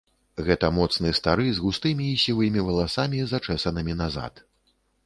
Гэта моцны стары, з густымі і сівымі валасамі, зачэсанымі назад.